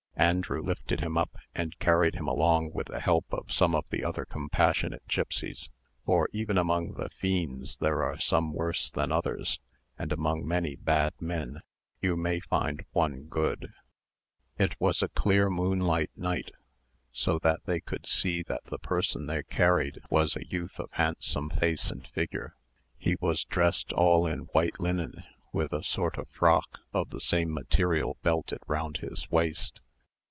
Andrew lifted him up, and carried him along with the help of some of the other compassionate gipsies; for even among the fiends there are some worse than others, and among many bad men you may find one good. It was a clear moonlight night, so that they could see that the person they carried was a youth of handsome face and figure. He was dressed all in white linen, with a sort of frock of the same material belted round his waist.